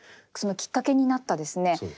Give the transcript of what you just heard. そのきっかけになったですね